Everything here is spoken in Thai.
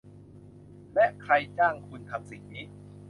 และใครจ้างคุณทำสิ่งนี้